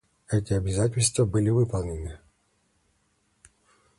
Эти обязательства были выполнены.